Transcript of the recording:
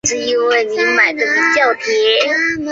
东汉初年复名衙县。